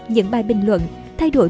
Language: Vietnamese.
những bài bình luận thay đổi